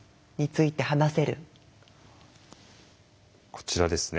こちらですね。